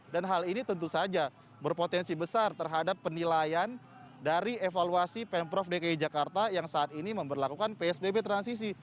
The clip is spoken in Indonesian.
dan hal ini tentu saja berpotensi besar terhadap penilaian dari evaluasi pemprov dki jakarta yang saat ini memperlakukan psbb transisi